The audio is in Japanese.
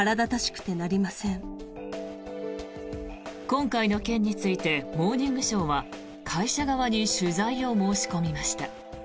今回の件について「モーニングショー」は会社側に取材を申し込みました。